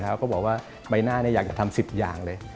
แล้วก็บอกว่าใบหน้าอยากจะทำ๑๐อย่างเลย